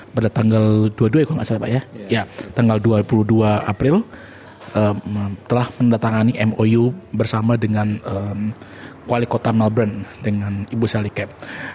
pada tanggal dua puluh dua april telah pendatangani mou bersama dengan wali kota melbourne dengan ibu sally kemp